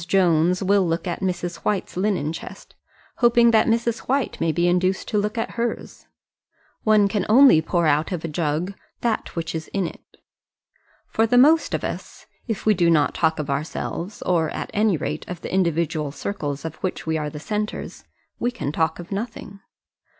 Jones will look at Mrs. White's linen chest, hoping that Mrs. White may be induced to look at hers. One can only pour out of a jug that which is in it. For the most of us, if we do not talk of ourselves, or at any rate of the individual circles of which we are the centres, we can talk of nothing.